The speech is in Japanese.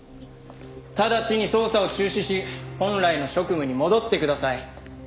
直ちに捜査を中止し本来の職務に戻ってください。